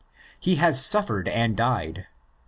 He has suffered and died (i.